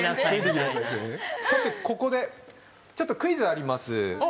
さてここでちょっとクイズがあります